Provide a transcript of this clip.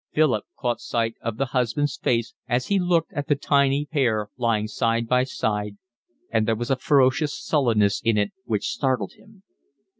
Philip caught sight of the husband's face as he looked at the tiny pair lying side by side, and there was a ferocious sullenness in it which startled him.